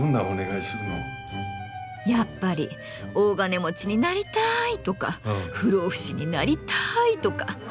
やっぱり大金持ちになりたいとか不老不死になりたいとか。